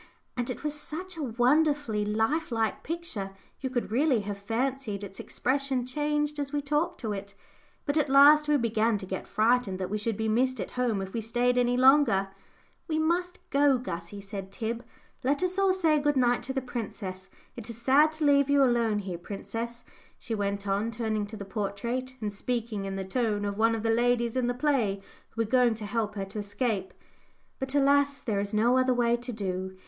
And it was such a wonderfully life like picture you could really have fancied its expression changed as we talked to it. But at last we began to get frightened that we should be missed at home if we stayed any longer. "We must go, Gussie," said Tib, "let us all say good night to the princess. It is sad to leave you alone here, princess," she went on, turning to the portrait, and speaking in the tone of one of the ladies in the play, who were going to help her to escape, "but, alas, there is no other way to do.